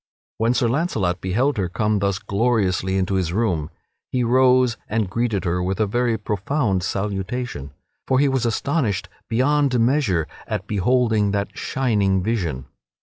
When Sir Launcelot beheld her come thus gloriously into his room he rose and greeted her with a very profound salutation, for he was astonished beyond measure at beholding that shining vision.